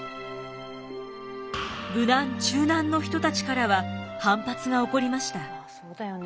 無難中難の人たちからは反発が起こりました。